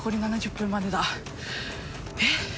えっ！？